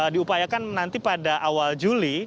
diupayakan nanti pada awal juli